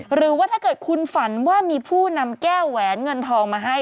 หรือว่าถ้าเกิดคุณฝันว่ามีผู้นำแก้วแหวนเงินทองมาให้